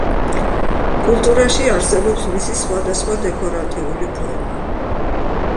კულტურაში არსებობს მისი სხვადასხვა დეკორატიული ფორმა.